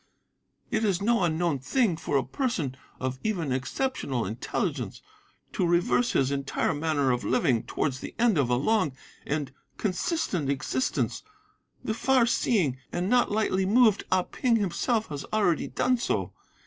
It is no unknown thing for a person of even exceptional intelligence to reverse his entire manner of living towards the end of a long and consistent existence; the far seeing and not lightly moved Ah Ping himself has already done so.